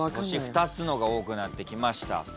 星２つのが多くなってきました。